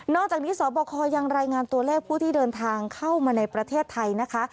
อกจากนี้สบคยังรายงานตัวเลขผู้ที่เดินทางเข้ามาในประเทศไทยนะคะ